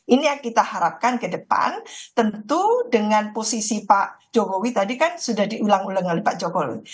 ini yang kita harapkan ke depan tentu dengan posisi pak jokowi tadi kan sudah diulang ulang oleh pak jokowi